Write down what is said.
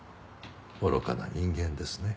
愚かな人間ですね。